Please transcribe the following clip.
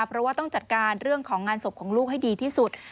เพราะว่าต้องจัดการเรื่องของงานศพของลูกให้ดีที่สุด